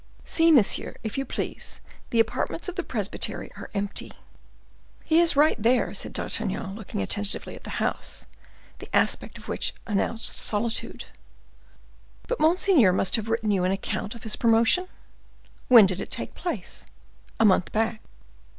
"See, monsieur, if you please; the apartments of the presbytery are empty." "He is right there," said D'Artagnan, looking attentively at the house, the aspect of which announced solitude. "But monseigneur must have written you an account of his promotion." "When did it take place?" "A month back."